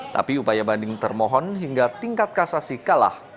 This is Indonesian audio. tapi upaya banding termohon hingga tingkat kasasi kalah